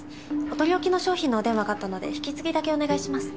お取り置きの商品のお電話があったので引き継ぎだけお願いします。